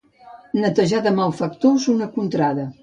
Netejar de malfactors una contrada.